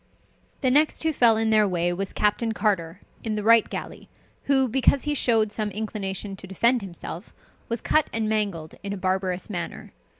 The next who fell in their way was Captain Carter, in the Wright galley; who, because he showed some inclination to defend himself, was cut and mangled in a barbarous manner.